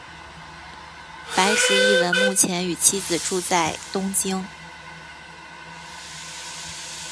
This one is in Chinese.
白石一文目前与妻子住在东京。